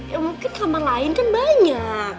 ya mungkin sama lain kan banyak